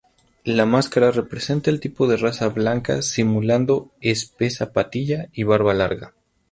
La máscara representa el tipo de raza blanca simulando espesa patilla y barba larga.